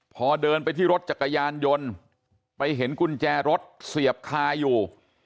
พอเดินไปที่รถจักรยานยนต์ไปเห็นกุญแจรถเสียบคาอยู่